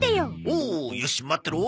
おおよし待ってろ。